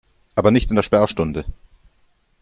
Aber nicht in der Sperrstunde.